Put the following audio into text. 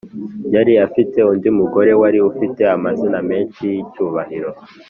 yari afite undi mugore wari ufite amazina menshi y’icyubahiro.